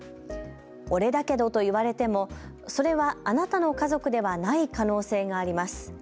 俺だけどと言われてもそれはあなたの家族ではない可能性があります。